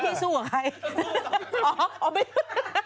เผื่อช่วยหนู